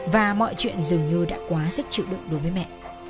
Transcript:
và mọi chuyện dường như đã quá sức chịu đựng đối với mẹ